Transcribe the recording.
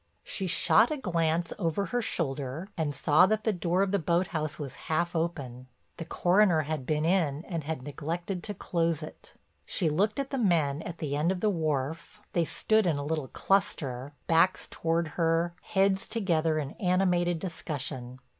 She shot a glance over her shoulder and saw that the door of the boathouse was half open—the coroner had been in and had neglected to close it. She looked at the men at the end of the wharf; they stood in a little cluster, backs toward her, heads together in animated discussion.